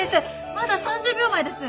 まだ３０秒前です！